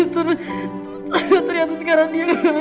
ternyata sekarang dia gak ngeluk ini